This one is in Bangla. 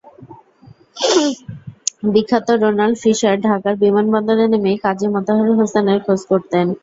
বিখ্যাত রোনাল্ড ফিশার ঢাকার বিমানবন্দরে নেমেই কাজী মোতাহার হোসেনের খোঁজ করতেন।